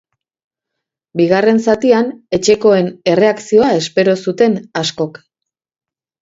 Bigarren zatian etxekoen erreakzioa espero zuten askok.